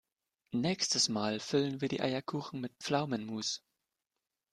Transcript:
Nächstes Mal füllen wir die Eierkuchen mit Pflaumenmus.